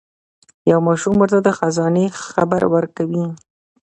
یو ماشوم ورته د خزانې خبر ورکوي.